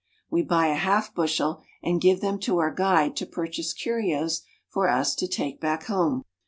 We buy j , half bushel, and give them to our guide to purchase | f^curios for us to take back home.